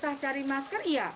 susah cari masker iya